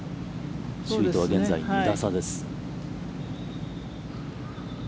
首位とは現在２打差です。